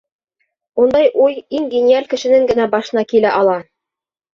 Ундай уй иң гениаль кешенең генә башына килә ала!